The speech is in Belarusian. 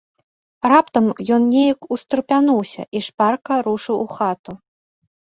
Раптам ён нейк устрапянуўся і шпарка рушыў у хату.